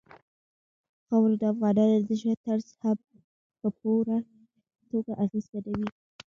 خاوره د افغانانو د ژوند طرز هم په پوره توګه اغېزمنوي.